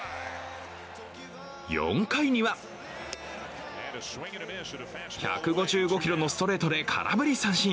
４回には１５５キロのストレートで空振り三振。